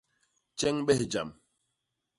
Tjeñbes jam.